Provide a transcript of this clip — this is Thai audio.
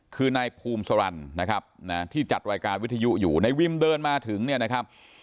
คือนายภูมิสรรค์นะครับนะที่จัดรายการวิทยุอยู่ในวิมเดินมาถึงเนี่ยนะครับ